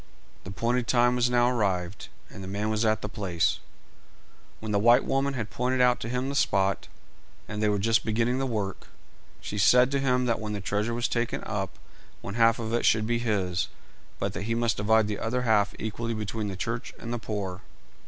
The appointed time was now arrived, and the man was at the place. When the white woman had pointed out to him the spot, and they were just beginning the work, she said to him that when the treasure was taken up one half of it should be his, but that he must divide the other half equally between the church and the poor.